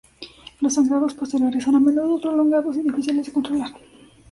Los sangrados posteriores son a menudo prolongados y difíciles de controlar.